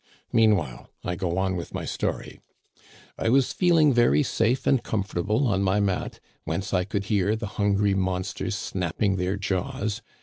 Meanwhile, I go on with my story. I was feeling Digitized by VjOOQIC A SUPPER. 83 very safe and comfortable on my mat, whence I could hear the hungry monsters snapping their jaws.